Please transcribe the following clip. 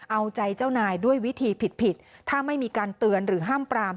เอาใจเจ้านายด้วยวิธีผิดผิดถ้าไม่มีการเตือนหรือห้ามปราม